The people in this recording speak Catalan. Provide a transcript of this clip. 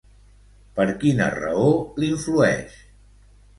Per quina raó l'influeix?